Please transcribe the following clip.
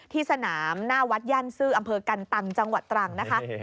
ที่สนามหน้าวัดย่านซื่ออำเภอกันตังจังหวัดตรังนะคะ